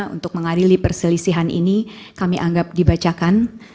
untuk mengadili perselisihan ini kami anggap dibacakan